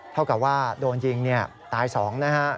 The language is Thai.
เท่ากับว่าโดนยิงตาย๒นะฮะ